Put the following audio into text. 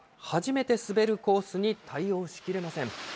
初めて滑るコースに対応しきれません。